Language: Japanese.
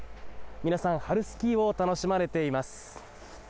皆さん、春スキーを楽しまれています。